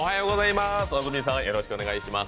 安住さん、よろしくお願いします。